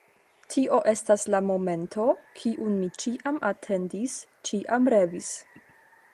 Tio estas la momento, kiun mi ĉiam atendis, ĉiam revis.